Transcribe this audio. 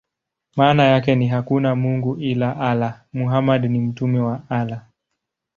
Maana yake ni: "Hakuna mungu ila Allah; Muhammad ni mtume wa Allah".